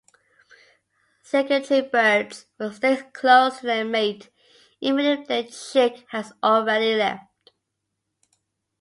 Secretarybirds will stay close to their mate even if their chick has already left.